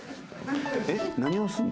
えっ何をするの？